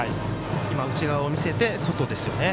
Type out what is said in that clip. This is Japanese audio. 今、内側を見せて外ですよね。